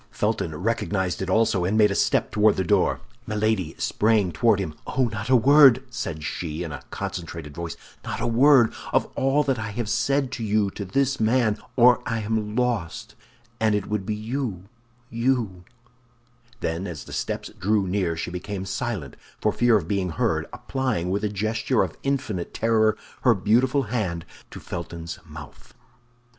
Felton recognized it also, and made a step toward the door. Milady sprang toward him. "Oh, not a word," said she in a concentrated voice, "not a word of all that I have said to you to this man, or I am lost, and it would be you—you—" Then as the steps drew near, she became silent for fear of being heard, applying, with a gesture of infinite terror, her beautiful hand to Felton's mouth.